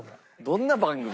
どんな番組？